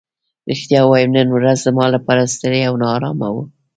رښتیا ووایم نن ورځ زما لپاره ستړې او نا ارامه وه.